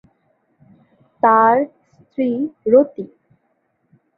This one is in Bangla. তার স্ত্রী রতি।